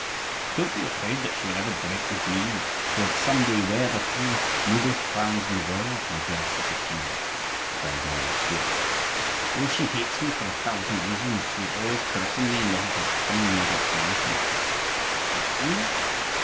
"Don't be afraid that she will ever break with me, who will some day wear the three noblest crowns in the world, my dearest little king," cried Mary Stuart. "Though she hates me for a thousand reasons she is always caressing me in the hope of turning me against my uncles." "Hates you!"